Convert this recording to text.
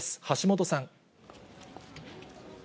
橋本さん。